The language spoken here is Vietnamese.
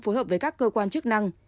phối hợp với các cơ quan chức năng